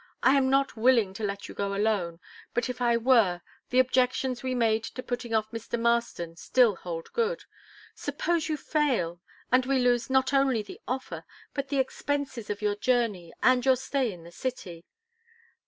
I am not willing to let you go alone, but if I were, the objections we made to putting off Mr. Marston still hold good. Suppose you fail, and we lose not only the offer, but the expenses of your journey and your stay in the city?"